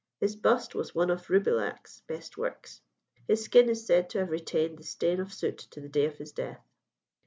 His bust was one of Roubilliac's best works. His skin is said to have retained the stain of soot to the day of his death.